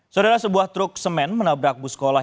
saudara sebuah truk semen menabrak bus sekolah